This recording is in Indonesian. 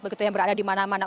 begitu yang berada di mana mana